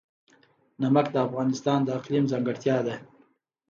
نمک د افغانستان د اقلیم ځانګړتیا ده.